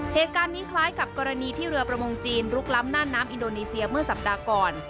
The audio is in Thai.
เหตุการณ์นี้คล้ายกับกรณีที่เรือประมงจีนลุกล้ำน่านน้ำอินโดนีเซียเมื่อสัปดาห์ก่อน